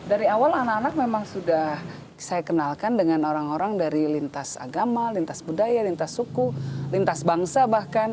dari awal anak anak memang sudah saya kenalkan dengan orang orang dari lintas agama lintas budaya lintas suku lintas bangsa bahkan